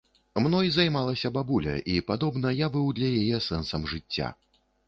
Мной займалася бабуля, і, падобна, я быў для яе сэнсам жыцця.